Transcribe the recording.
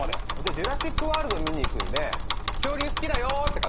『ジュラシック・ワールド』見に行くんで恐竜好きだよって方。